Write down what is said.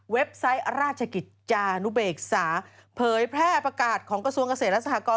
ไซต์ราชกิจจานุเบกษาเผยแพร่ประกาศของกระทรวงเกษตรและสหกร